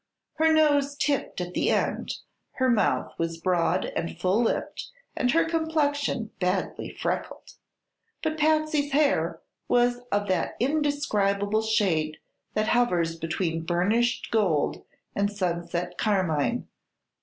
Her nose tipped at the end, her mouth was broad and full lipped and her complexion badly freckled. But Patsy's hair was of that indescribable shade that hovers between burnished gold and sunset carmine.